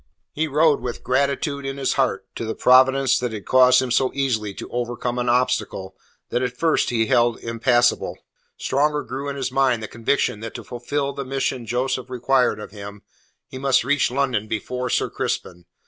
He rode with gratitude in his heart to the Providence that had caused him so easily to overcome an obstacle that at first he had held impassable. Stronger grew in his mind the conviction that to fulfil the mission Joseph required of him, he must reach London before Sir Crispin.